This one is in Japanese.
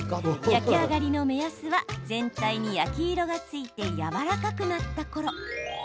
焼き上がりの目安は全体に焼き色がついてやわらかくなったころ。